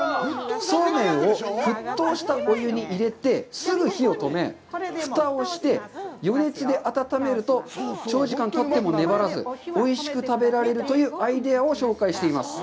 そうめんを沸騰したお湯に入れて、すぐ火を止め、ふたをして、余熱で温めると長時間たっても粘らず、おいしく食べられるというアイデアを紹介しています。